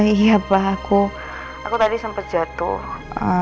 iya pa aku tadi sempat jatuh